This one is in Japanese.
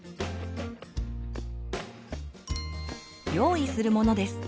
用意するものです。